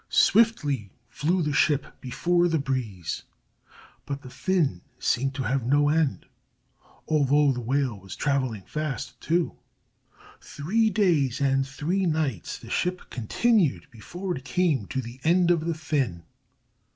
Swiftly flew the ship before the breeze, but the fin seemed to have no end, although the whale was traveling fast, too. Three days and three nights the ship continued before it came to the end of the fin.